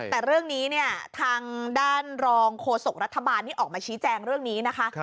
แต่เรื่องนี้เนี่ยทางด้านรองโฆษกรัฐบาลที่ออกมาชี้แจงเรื่องนี้นะคะ